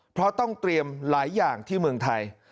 เพราะต้องเตรียมหลายอย่างที่เมืองไทย